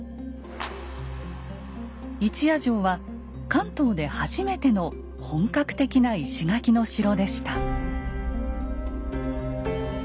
一夜城は関東で初めての本格的な石垣の城でした。